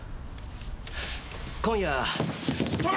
今夜。